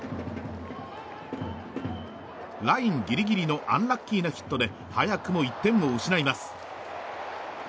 ラインギリギリのアンラッキーなヒットで早くも１点を失います。